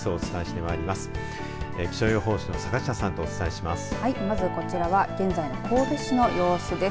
はい、まずこちらは現在の神戸市の様子です。